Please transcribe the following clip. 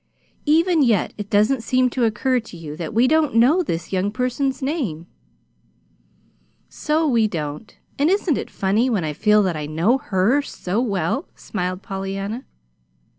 "Even yet it doesn't seem to occur to you that we don't know this young person's name." "So we don't! And isn't it funny, when I feel that I know HER so well?" smiled Pollyanna.